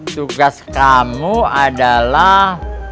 tugas kamu adalah